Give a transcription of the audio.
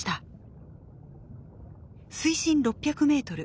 水深６００メートル。